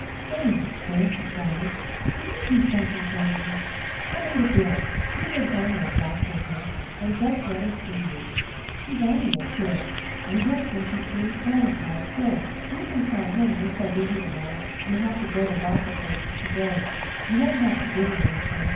"Say, mister," he cried, "will you do something for me? Come in to Bill's he lives only a block from here and just let him see you. He's only a kid, and he'll think he's seen Santa Claus, sure. We can tell him you're so busy to morrow you have to go to lots of places to day. You won't have to give him anything.